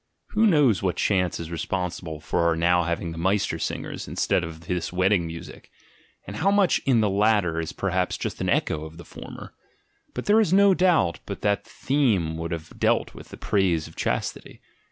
Who knows what chance is responsible for our now having the Meister singers instead of this wed ding music? And how much in the latter is perhaps just an echo of the former? But there is no doubt but that the theme would have dealt with the praise of chastity.